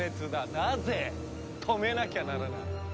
なぜ止めなきゃならない？